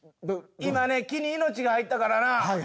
今ね木に命が入ったからな。